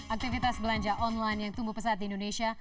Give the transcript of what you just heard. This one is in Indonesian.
aktivitas belanja online yang tumbuh pesat di indonesia